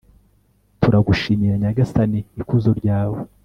turagushimira nyagasani, ikuzo ryawe